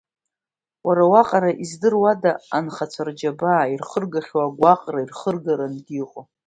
Уара уаҟара издыруада анхацәа рџьабаа, ирхыргахьоу агәаҟра, ирхыргарангьы иҟоу.